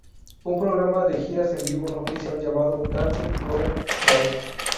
Un programa de giras en vivo no oficial llamado "Dancing Pros: Live!